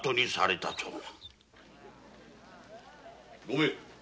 ごめん。